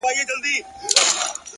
د وخت ضایع کول خاموشه تاوان دی